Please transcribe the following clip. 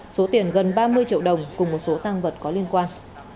số tiền gần ba mươi triệu đồng cùng một số tăng vật có liên quan